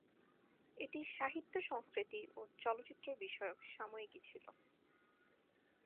এটি সাহিত্য-সংস্কৃতি ও চলচ্চিত্র বিষয়ক সাময়িকী ছিল।